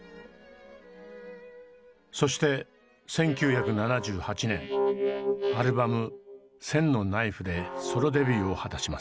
そして１９７８年アルバム「千のナイフ」でソロデビューを果たします。